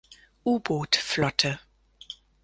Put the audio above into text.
U-Boot Flotte.